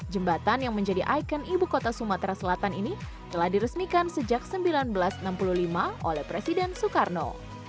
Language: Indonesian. jembatan yang menjadi ikon ibu kota sumatera selatan ini telah diresmikan sejak seribu sembilan ratus enam puluh lima oleh presiden soekarno